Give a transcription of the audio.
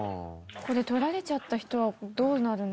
これ取られちゃった人はどうなるんですか？